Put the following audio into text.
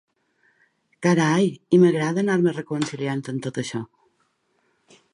Carai, i m’agrada anar-me reconciliant amb tot això.